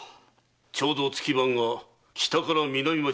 ちょうど月番が北から南町に代わる。